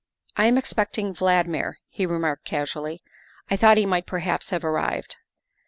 " I am expecting Valdmir, " he remarked casually. " I thought he might perhaps have arrived."